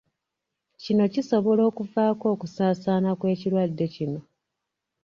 Kino kisobola okuvaako okusaasaana kw’ekirwadde kino.